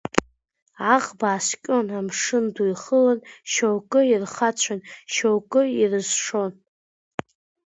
Аӷба ааскьон амшын ду ихылан, шьоукы ирхацәон, шьоукы ирызшон.